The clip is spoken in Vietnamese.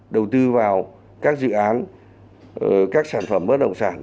đầu tư vào các dự án các sản phẩm bất động sản